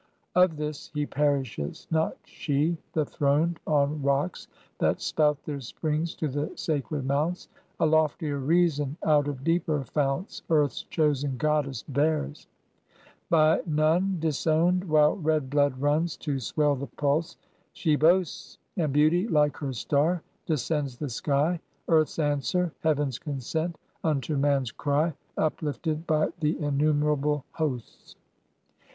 Of this he perishes; not she, the throned On rocks that spout their springs to the sacred mounts. A loftier Reason out of deeper founts Earth's chosen Goddess bears: by none disowned While red blood runs to swell the pulse, she boasts, And Beauty, like her star, descends the sky; Earth's answer, heaven's consent unto man's cry, Uplifted by the innumerable hosts.